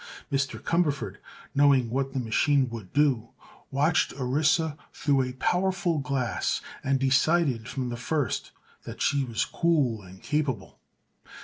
Mr. Cumberford, knowing what the machine would do, watched Orissa through a powerful glass and decided from the first that she was cool and capable.